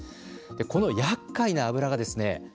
このやっかいな油がですね